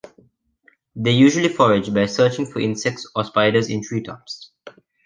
They usually forage by searching for insects or spiders in treetops.